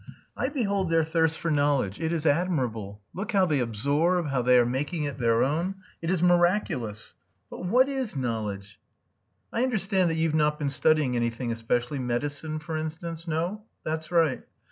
I behold their thirst for knowledge. It is admirable. Look how they absorb, how they are making it their own. It is miraculous. But what is knowledge? ...I understand that you have not been studying anything especially medicine for instance. No? That's right.